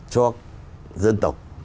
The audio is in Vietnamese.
cho dân tộc